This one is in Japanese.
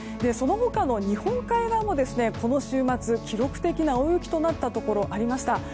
その他の日本海側もこの週末記録的な大雪となったところがありました。